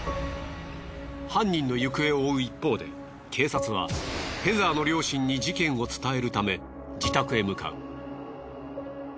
犯人の行方を追う一方で警察はヘザーの両親に事件を伝えるため自宅へ向かう。